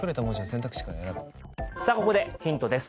さあここでヒントです。